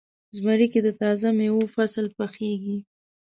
زمری کې د تازه میوو فصل پخیږي.